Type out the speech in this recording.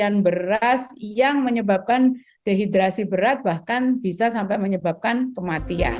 kemudian beras yang menyebabkan dehidrasi berat bahkan bisa sampai menyebabkan kematian